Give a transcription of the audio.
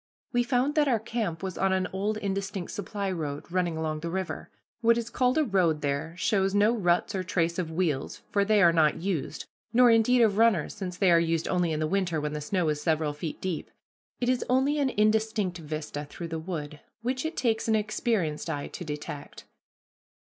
We found that our camp was on an old indistinct supply road, running along the river. What is called a road there shows no ruts or trace of wheels, for they are not used; nor, indeed, of runners, since they are used only in the winter when the snow is several feet deep. It is only an indistinct vista through the wood, which it takes an experienced eye to detect.